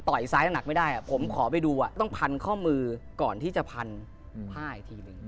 ซ้ายหนักไม่ได้ผมขอไปดูต้องพันข้อมือก่อนที่จะพันผ้าอีกทีหนึ่ง